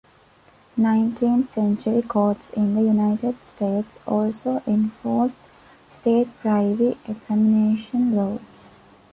Nineteenth-century courts in the United States also enforced state privy examination laws.